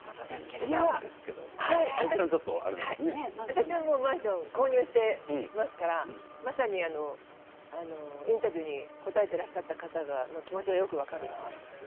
私はもうマンションを購入していますからまさにインタビューに答えていらっしゃった方の気持ちがよく分かるなって。